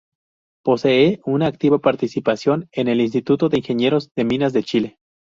Posee una activa participación en el Instituto de Ingenieros de Minas de Chile.